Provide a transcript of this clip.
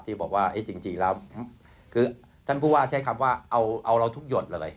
ที่บอกว่าจริงแล้วคือท่านผู้ว่าใช้คำว่าเอาเราทุกหยดเลย